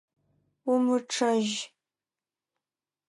Умычъэжь!